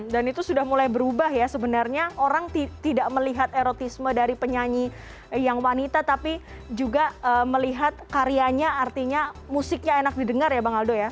dan itu sudah mulai berubah ya sebenarnya orang tidak melihat erotisme dari penyanyi yang wanita tapi juga melihat karyanya artinya musiknya enak didengar ya bang aldo ya